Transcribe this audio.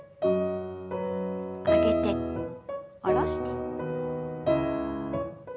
上げて下ろして。